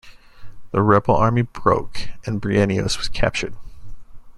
The rebel army broke and Bryennios was captured.